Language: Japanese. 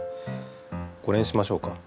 これにしましょうか。